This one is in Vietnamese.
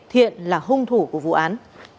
thiện là hung thủ của vụ án